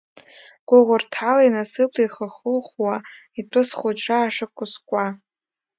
Гуӷырҭалеи насыԥлеи ихыхухуа итәыз схуҷра ашықусқуа!